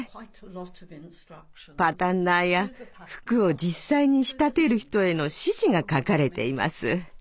パタンナーや服を実際に仕立てる人への指示が書かれています。